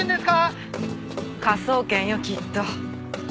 科捜研よきっと。